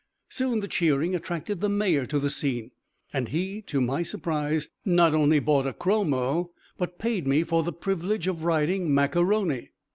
Soon the cheering attracted the Mayor to the scene, and he, to my surprise, not only bought a chromo, but paid me for the privilege of riding Mac A'Rony.